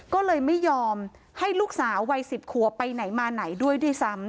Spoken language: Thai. ก็เลยไม่ยอมให้ลูกสาววัย๑๐ขัวไปไหนมาไหนด้วยด้วยซ้ำ